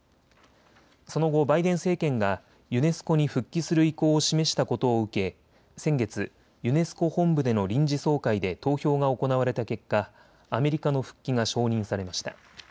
その後、バイデン政権がユネスコに復帰する意向を示したことを受け先月、ユネスコ本部での臨時総会で投票が行われた結果、アメリカの復帰が承認されました。